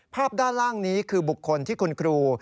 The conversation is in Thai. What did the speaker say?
ภาพด้านล่างนี้คือบุคคลที่คุณครู